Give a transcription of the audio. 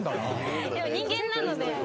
でも人間なので。